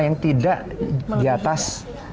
yang tidak di atas